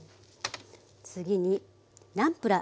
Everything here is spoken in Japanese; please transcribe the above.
次にナムプラー。